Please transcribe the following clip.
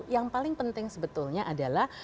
yang paling penting sebetulnya adalah